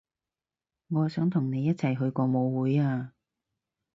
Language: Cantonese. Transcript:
我想同你一齊去個舞會啊